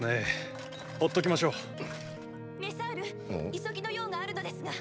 急ぎの用があるのですが。